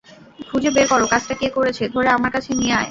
খুজে বের কর কাজটা কে করেছে, ধরে আমার কাছে নিয়ে আয়।